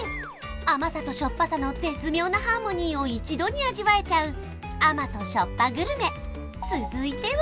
甘さと塩っぱさの絶妙なハーモニーを一度に味わえちゃう甘＆塩っぱグルメ続いては